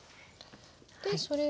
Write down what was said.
でそれを。